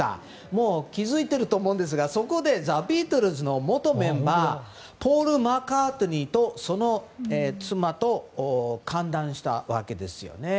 もう気づいてると思うんですがそこでザ・ビートルズの元メンバーポール・マッカートニーとその妻と歓談したわけですよね。